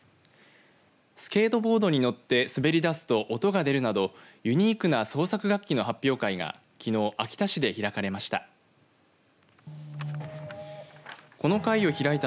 スケートボードに乗って滑り出すと音が出るなどユニークな創作楽器の発表会がきのう秋田市で開かれました。